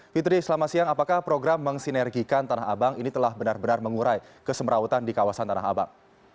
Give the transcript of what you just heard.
fitri selama siang apakah program mensinergikan tanah abang ini telah benar benar mengurai kesemerautan di kawasan tanah abang